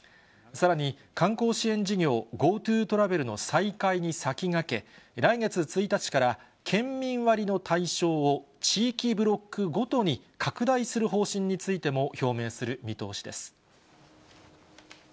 さらに観光支援事業、ＧｏＴｏトラベルの再開に先駆け、来月１日から、県民割の対象を地域ブロックごとに拡大する方針についても表明する見通しです。